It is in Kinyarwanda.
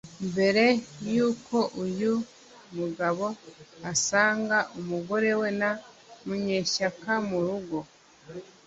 Mbere y’uko uyu mugabo asanga umugore we na Munyeshyaka mu rugo